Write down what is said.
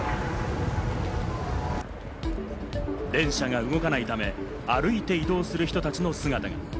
電車が動かないため、歩いて移動する人たちの姿が。